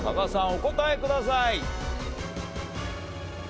お答えください。